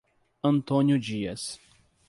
Antônio Dias